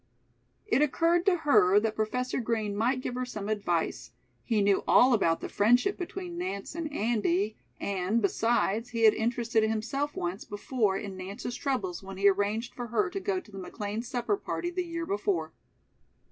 It occurred to her that Professor Green might give her some advice. He knew all about the friendship between Nance and Andy, and, besides, he had interested himself once before in Nance's troubles when he arranged for her to go to the McLeans' supper party the year before.